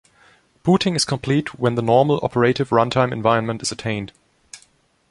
Booting is complete when the normal, operative, runtime environment is attained.